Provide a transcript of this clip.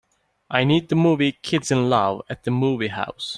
I need the movie Kids in Love at the movie house